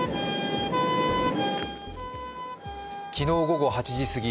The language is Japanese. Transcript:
昨日午後８時すぎ